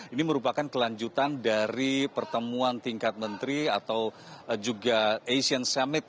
ini merupakan kelanjutan dari pertemuan tingkat menteri atau juga asian summit